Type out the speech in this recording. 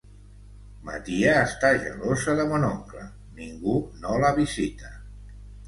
Ma tia està gelosa de mon oncle; ningú no la visita.